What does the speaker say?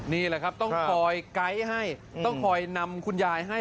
นี่แหละครับต้องคอยไกด์ให้ต้องคอยนำคุณยายให้